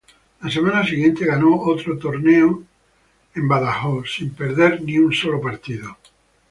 La semana siguiente, ganó otro torneo en Houston sin perder ni un sólo set.